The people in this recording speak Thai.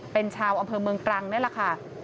เป็นชาวอำเภอเมืองตรังนี่แหละค่ะ